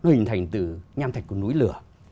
hình thành từ nhan thạch của núi lửa